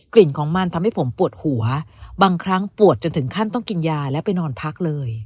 กลิ่นของมันทำให้ผมปวดหัวบางครั้งปวดจนถึงขั้นต้องกินยาแล้วไปนอนพักเลย